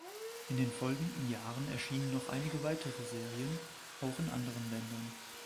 In den folgenden Jahren erschienen noch einige weitere Serien, auch in anderen Ländern.